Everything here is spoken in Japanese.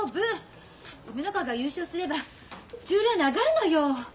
梅ノ川が優勝すれば十両に上がるのよ。